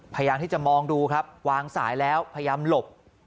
พยายามที่จะมองดูครับวางสายแล้วพยายามหลบ